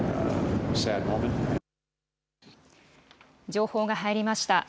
情報が入りました。